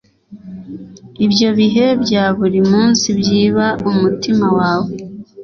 ibyo bihe bya buri munsi byiba umutima wawe